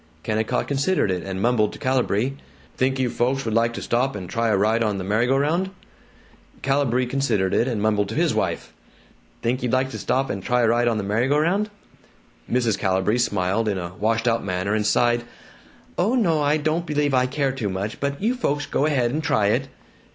Kennicott considered it, and mumbled to Calibree, "Think you folks would like to stop and try a ride on the merry go round?" Calibree considered it, and mumbled to his wife, "Think you'd like to stop and try a ride on the merry go round?" Mrs. Calibree smiled in a washed out manner, and sighed, "Oh no, I don't believe I care to much, but you folks go ahead and try it."